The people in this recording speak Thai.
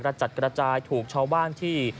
จัดกระจายถูกชาวบ้านที่